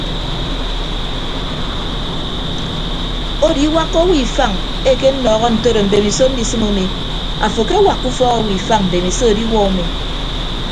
Odo iwakka owo ifañ ekennọọ ntodo mbemiso ndisịm umi afo akewakka ufọk owo ifañ mbemiso adiwuọ umi.